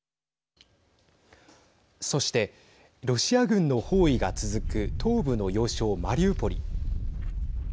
そして、ロシア軍の包囲が続く東部の要衝マリウポリ。